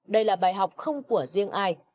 đây là bài học không của riêng ai